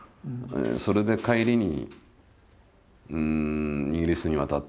それで帰りにイギリスに渡って。